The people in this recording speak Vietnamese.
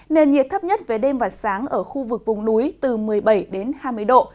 nền nhiệt thấp nhất về đêm và sáng ở khu vực vùng núi từ một mươi bảy đến hai mươi độ